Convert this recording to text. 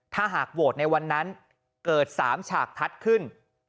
ถ้าหากโหวตในวันนั้นเกิด๓ฉากทัศน์ขึ้น